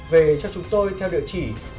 về cho chúng tôi theo địa chỉ